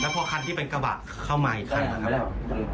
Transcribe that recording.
พอคันที่เป็นกระบะเข้ามาอีกคันนะครับ